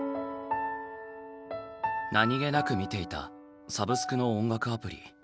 何気なく見ていたサブスクの音楽アプリ